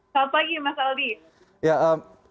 selamat pagi mas aldi